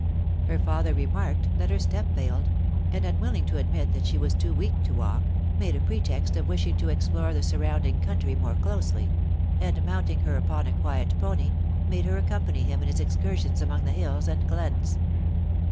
Her father remarked that her step failed, and unwilling to admit that she was too weak to walk, made a pretext of wishing to explore the surrounding country more closely, and mounting her upon a quiet pony, made her accompany him in his excursions among the hills and glens.